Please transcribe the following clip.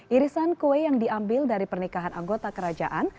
irisan kue yang diambil dari pernikahan anggota kerajaan